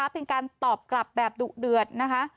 เป็นการตอบกลับแบบดุเดือดนะคะ